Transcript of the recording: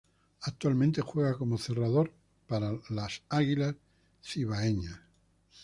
Actualmente juega como cerrador para las Águilas Cibaeñas.